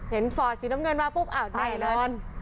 เห็นฝอดสีน้ำเงินมาปุ๊บแหมลอน